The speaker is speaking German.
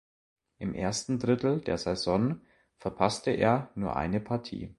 Im ersten Drittel der Saison verpasste er nur eine Partie.